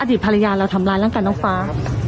ภรรยาเราทำร้ายร่างกายน้องฟ้า